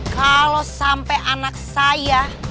kalau sampai anak saya